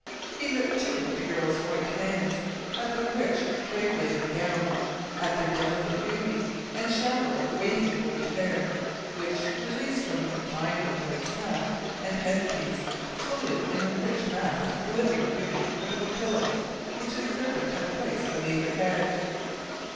He looked, too, at the girl’s white hands, at the rich, crape laden gown, at their delicate beauty, and shower of waving golden hair, which, released from the confinement of the cap and head piece, floated in a rich mass of glittering beauty over the pillows which his servant had placed beneath her head.